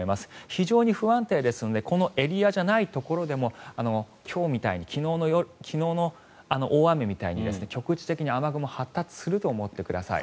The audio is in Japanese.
非常に不安定ですのでこのエリアじゃないところでも昨日の大雨みたいに局地的に雨雲が発達すると思ってください。